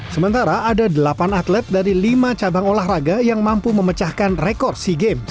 sementara ada delapan atlet dari lima cabang olahraga yang mampu memecahkan rekor sea games